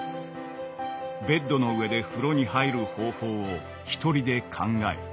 ベッドの上で風呂に入る方法を一人で考え